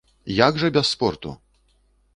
Як жа без спорту!